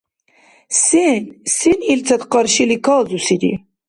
Сен? Сен илцад къаршили калзусири?